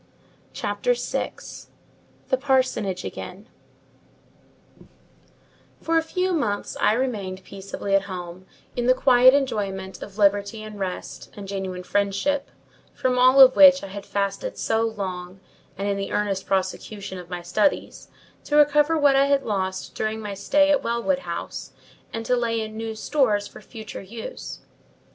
CHAPTER VI. THE PARSONAGE AGAIN For a few months I remained peaceably at home, in the quiet enjoyment of liberty and rest, and genuine friendship, from all of which I had fasted so long; and in the earnest prosecution of my studies, to recover what I had lost during my stay at Wellwood House, and to lay in new stores for future use.